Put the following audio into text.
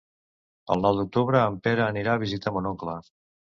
El nou d'octubre en Pere anirà a visitar mon oncle.